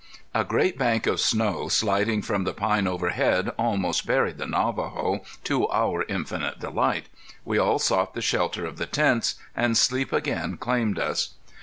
A great bank of snow, sliding from the pine overhead almost buried the Navajo, to our infinite delight. We all sought the shelter of the tents, and sleep again claimed us.